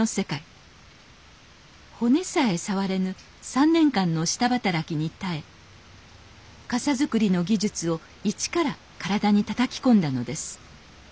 骨さえ触れぬ３年間の下働きに耐え傘作りの技術を一から体にたたき込んだのです。